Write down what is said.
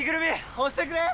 押してくれー！